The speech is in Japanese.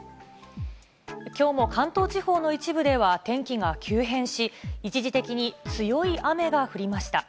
きょうも関東地方の一部では天気が急変し、一時的に強い雨が降りました。